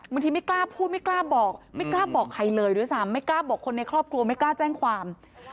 ไม่กล้าพูดไม่กล้าบอกไม่กล้าบอกใครเลยด้วยซ้ำไม่กล้าบอกคนในครอบครัวไม่กล้าแจ้งความ